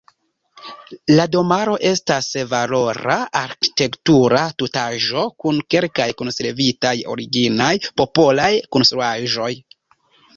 La domaro estas valora arĥitektura tutaĵo kun kelkaj konservitaj originaj popolaj konstruaĵoj.